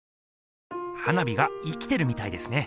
花火が生きてるみたいですね。